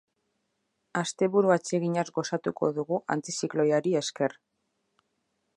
Asteburu atseginaz gozatuko dugu antizikloiari esker.